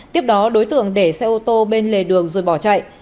tiếp đó đối tượng để xe ô tô bên lề đường rồi bỏ chạy